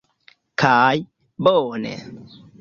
Kaj... bone!